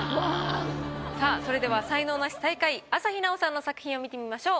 さあそれでは才能ナシ最下位朝日奈央さんの作品を見てみましょう。